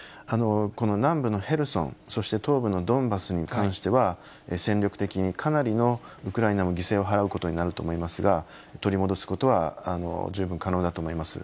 南部のヘルソン、そして東部のドンバスに関しては、戦力的にかなりのウクライナも犠牲を払うことになると思いますが、取り戻すことは十分可能だと思います。